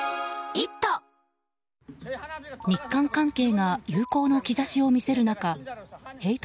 日韓関係が友好の兆しを見せる中ヘイト